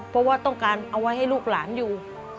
เพราะว่าต้องการเอาไว้ให้ลูกหลานอยู่